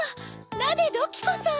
ナデドキコさん。